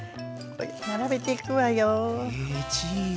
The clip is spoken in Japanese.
並べていくわよ。